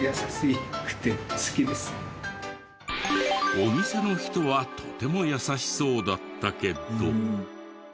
お店の人はとても優しそうだったけど。